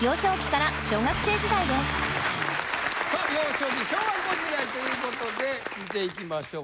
幼少期小学校時代ということで見ていきましょう